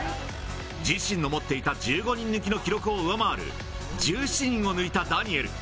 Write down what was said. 自身の持っていた１５人抜きの記録を上回る、１７人を抜いたダニエル。